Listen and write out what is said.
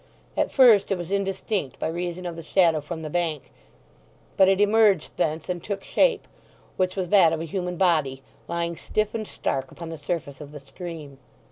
At first it was indistinct by reason of the shadow from the bank; but it emerged thence and took shape, which was that of a human body, lying stiff and stark upon the surface of the stream.